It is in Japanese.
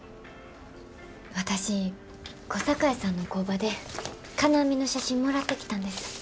私小堺さんの工場で金網の写真もらってきたんです。